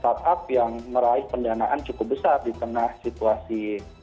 startup yang meraih pendanaan cukup besar di tengah situasi